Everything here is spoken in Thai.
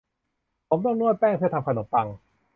ผมต้องนวดแป้งเพื่อทำขนมปัง